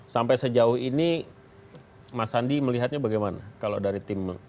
sampai sejauh ini mas sandi melihatnya bagaimana kalau dari tim